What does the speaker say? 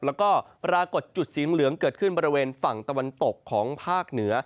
แล้วก็ปรากฏจุดสีเหลืองเกิดขึ้นบริเวณฝั่งตะวันตกของภาคเหนือ